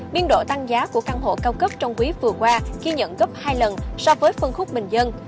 biên độ tăng giá của căn hộ cao cấp trong quý vừa qua ghi nhận gấp hai lần so với phân khúc bình dân